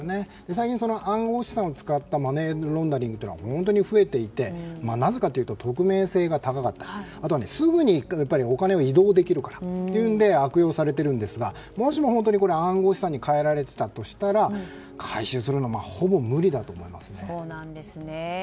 最近、暗号資産を使ったマネーロンダリングは本当に増えていてなぜかというと匿名性が高かったりあとは、すぐにお金を移動できるからということで悪用されているんですがもしも本当に暗号資産に替えられていたとしたら回収するのはほぼ無理だと思いますね。